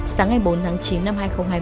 sáng ngày bốn tháng chín năm hai nghìn hai mươi